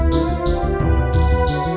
masih di pasar